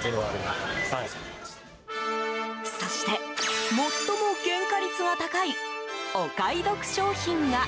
そして、最も原価率が高いお買い得商品が。